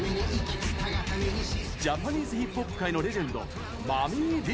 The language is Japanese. ジャパニーズヒップホップ界のレジェンド、Ｍｕｍｍｙ‐Ｄ。